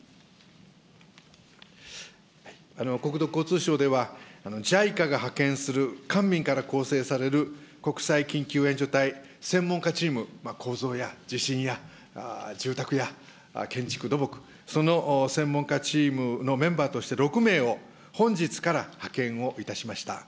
国土交通省では、ＪＩＣＡが派遣する官民から構成される国際緊急援助隊、専門家チーム、構造や地震や住宅や建築、土木、その専門家チームのメンバーとして６名を本日から派遣をいたしました。